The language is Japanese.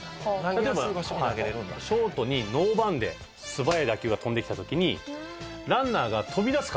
例えばショートにノーバンで素早い打球が飛んできた時にランナーが飛び出す可能性があるんですね。